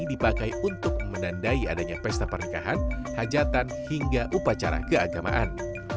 dipakai untuk menandai adanya pesta pernikahan hajatan hingga upacara keagamaan